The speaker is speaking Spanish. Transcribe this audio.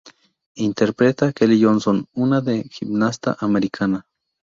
Interpreta a Kelly Johnson, una de gimnasta americana.